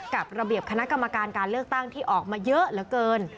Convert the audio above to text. กับระเบียบคณะกรรมการการเลือกตั้งที่ออกมาเยอะเหลือเกิน